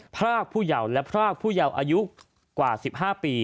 พรากผู้เยาว์และพรากผู้เยาว์อายุกว่า๑๕ปี